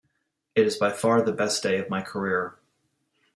It's by far the best day of my career.